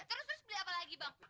terus terus beli apa lagi bang